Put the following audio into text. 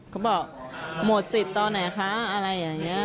เขาบอกหมดสิทธิ์ตอนไหนคะอะไรอย่างนี้